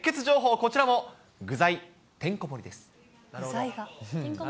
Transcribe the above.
こちらも具材てんこ盛りです。